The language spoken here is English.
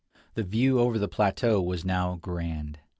The view over the plateau was now grand.